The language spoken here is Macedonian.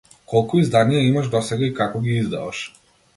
Колку изданија имаш досега и како ги издаваш?